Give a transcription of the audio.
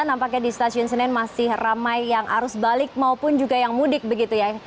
nampaknya di stasiun senen masih ramai yang arus balik maupun juga yang mudik begitu ya